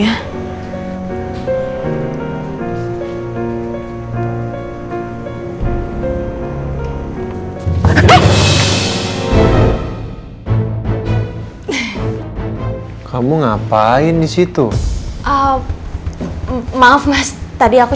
aku anjir abis bers ensuring mereka ngonj seribu